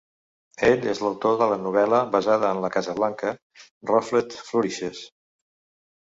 Ell és l"autor de la novel·la basada en la Casablanca,"Ruffled Flourishes".